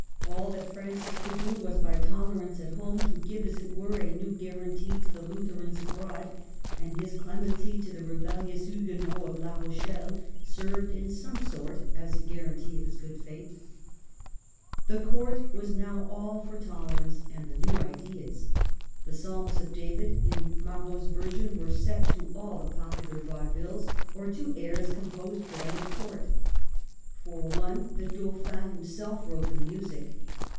All that Francis could do was by tolerance at home to give, as it were, a new guarantee to the Lutherans abroad; and his clemency to the rebellious Huguenots of La Rochelle served in some sort as a guarantee of his good faith. The Court was now all for tolerance and the New Ideas ; the Psalms of David, in Marot's ver sion, were set to all the popular vaudevilles, or 13 194 MARGARET OF ANGOUL^ME. to airs composed for them at Court. For one the Dauphin himself wrote the music.